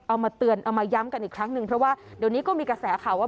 เอามาเตือนเอามาย้ำกันอีกครั้งหนึ่งเพราะว่าเดี๋ยวนี้ก็มีกระแสข่าวว่า